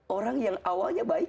orang yang awalnya baik